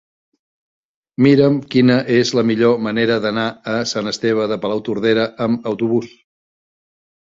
Mira'm quina és la millor manera d'anar a Sant Esteve de Palautordera amb autobús.